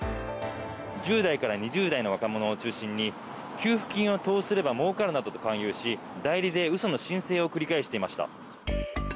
１０代から２０代の若者を中心に給付金を申請すればもうかるなどと勧誘し代理で嘘の申請を繰り返していました。